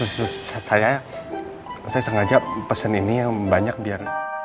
terus saya sengaja pesen ini yang banyak biar